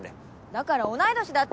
だから同い年だってば！